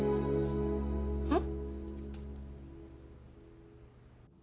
うん？